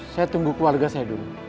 saya tunggu keluarga saya dulu